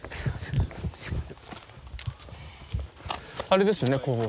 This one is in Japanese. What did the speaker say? あれですよね工房。